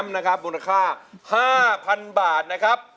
คุณแชมป์นะครับมูลค่า๕๐๐๐บาทนะครับ